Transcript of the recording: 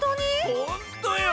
ほんとよ！